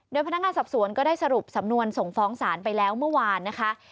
โดยพนักงานสอบสวนก็ได้สรุปสำนวนส่งฟ้องศาลไปแล้วเมื่อวานนะคะ